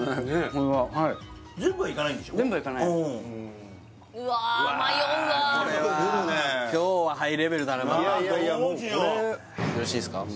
これはよろしいですか？